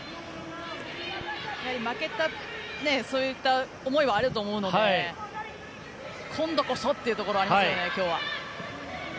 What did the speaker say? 負けたという思いはあると思うので今度こそというところありますよね。